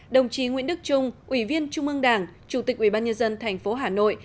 đồng chí nguyễn đức trung ủy viên trung ương đảng chủ tịch ủy ban nhân dân thành phố hà nội